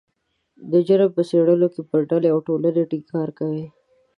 د جرم په څیړلو کې پر ډلې او ټولنې ټینګار کوي